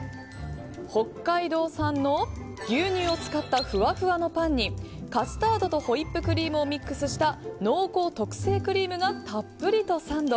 北海道産の牛乳を使ったふわふわのパンにカスタードとホイップクリームをミックスした濃厚特製クリームがたっぷりとサンド。